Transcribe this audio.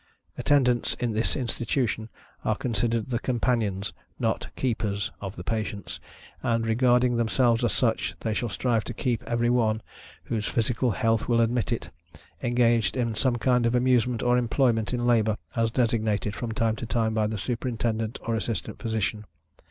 Attendants, in this Institution, are considered the companions, not “keepers,” of the patients, and, regarding themselves as such, they shall strive to keep every one, whose physical health will admit of it, engaged in some kind of amusement or employment in labor, as designated, from time to time, by the Superintendent, or Assistant Physician.